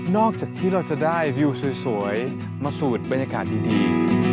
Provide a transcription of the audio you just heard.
จากที่เราจะได้วิวสวยมาสูดบรรยากาศดี